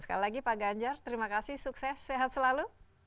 sekali lagi pak ganjar terima kasih sukses sehat selalu